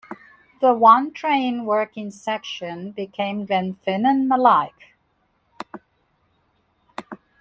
The One Train Working section became Glenfinnan - Mallaig.